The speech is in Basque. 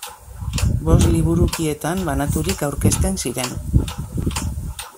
Bost liburukietan banaturik aurkezten ziren.